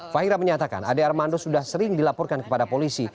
fahira menyatakan ade armando sudah sering dilaporkan kepada polisi